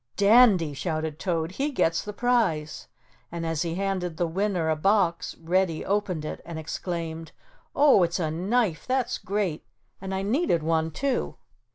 "Dandy," shouted Toad, "he gets the prize," and as he handed the winner a box Reddy opened it and exclaimed: "Oh, it's a knife, that's great, and I needed one too."